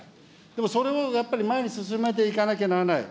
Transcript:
でも、それをやっぱり前に進めていかなきゃならない。